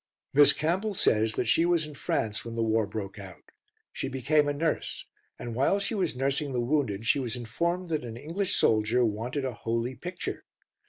Miss Campbell says that she was in France when the war broke out. She became a nurse, and while she was nursing the wounded she was informed that an English soldier wanted a "holy picture."